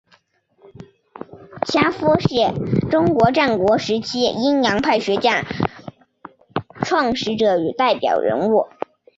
邹衍是中国战国时期阴阳家学派创始者与代表人物。